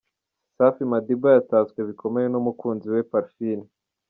Safi Madiba yatatswe bikomeye n’umukunzi we Parfine.